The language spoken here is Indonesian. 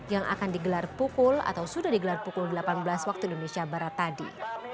yang akan digelar pukul atau sudah digelar pukul delapan belas waktu indonesia barat tadi